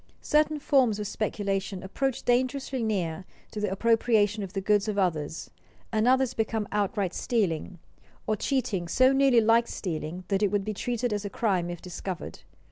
Certain forms of speculation approach dangerously near to the appropriation of the goods of others, and others become outright stealing, or cheating so nearly like stealing that it would be treated as a crime if discovered.